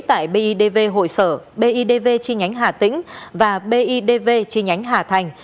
tại bidv hội sở bidv chi nhánh hà tĩnh và bidv chi nhánh hà thành